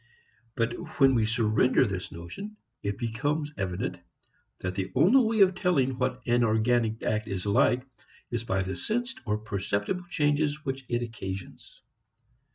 But when we surrender this notion, it becomes evident that the only way of telling what an organic act is like is by the sensed or perceptible changes which it occasions.